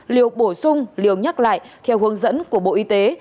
liệu bổ sung liều nhắc lại theo hướng dẫn của bộ y tế